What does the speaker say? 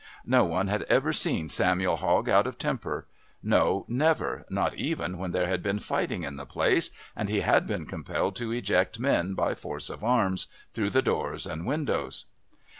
No one had ever seen Samuel Hogg out of temper no, never, not even when there had been fighting in the place and he had been compelled to eject men, by force of arms, through the doors and windows.